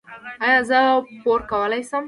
ایا زه پور کولی شم؟